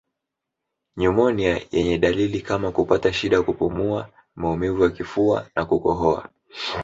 Nyumonia yenye dalili kama kupata shida kupumua maumivu ya kifua na kukohoa